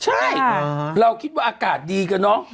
ใช่เราคิดว่าอากาศดีกันเนอะ